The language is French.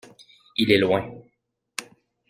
Il est loin.